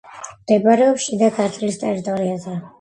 მდებარეობს შიდა ქართლის ტერიტორიაზე.